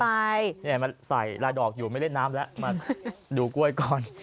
นี่มันใส่ลายดอกอยู่ไม่เล่นน้ำแล้วมาดูกล้วยก่อน